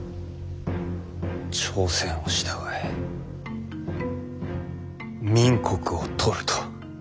朝鮮を従え明国をとると。